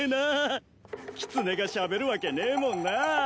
キツネがしゃべるわけねえもんなぁ。